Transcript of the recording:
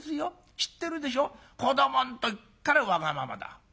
知ってるでしょ子どもの時からわがままだ」。